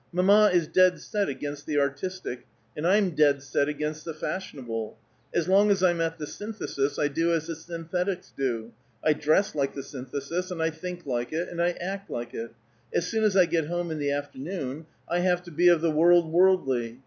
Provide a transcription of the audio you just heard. Mamma is dead set against the artistic, and I'm dead set against the fashionable. As long as I'm at the Synthesis, I do as the Synthetics do. I dress like the Synthesis, and I think like it, and I act like it. As soon as I get home in the afternoon, I have to be of the world worldly.